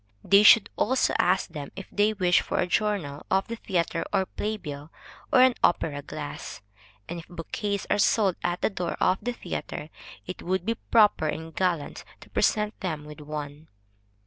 They should also ask them if they wish for a journal of the theatre or play bill, or an opera glass; and if bouquets are sold at the door of the theatre, it would be proper and gallant to present them with one.